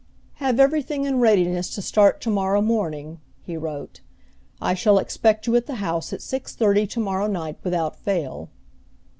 "Have everything in readiness to start to morrow morning," he wrote. "I shall expect you at the house at six thirty to morrow night without fail."